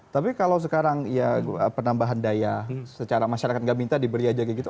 tapi kalau sekarang ya penambahan daya secara masyarakat nggak minta diberi aja kayak gitu